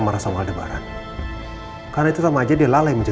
merasa wangi ya kalau saya merasa wangi ya kalau saya merasa wangi ya kalau saya merasa